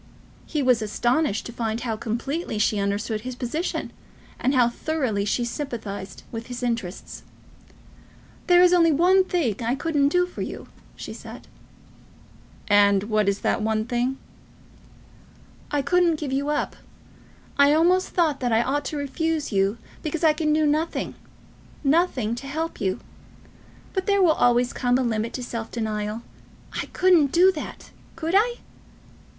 He was astonished to find how completely she understood his position, and how thoroughly she sympathised with his interests. "There is only one thing I couldn't do for you," she said. "And what is the one thing?" "I couldn't give you up. I almost thought that I ought to refuse you because I can do nothing, nothing to help you. But there will always come a limit to self denial. I couldn't do that! Could I?"